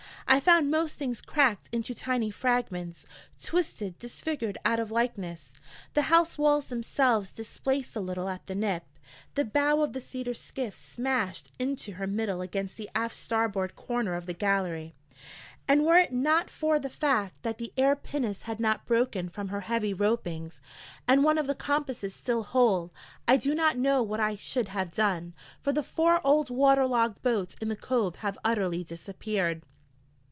I found most things cracked into tiny fragments, twisted, disfigured out of likeness, the house walls themselves displaced a little at the nip, the bow of the cedar skiff smashed in to her middle against the aft starboard corner of the galley; and were it not for the fact that the air pinnace had not broken from her heavy ropings, and one of the compasses still whole, I do not know what I should have done: for the four old water logged boats in the cove have utterly disappeared.